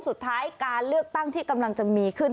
สุดท้ายการเลือกตั้งที่กำลังจะมีขึ้น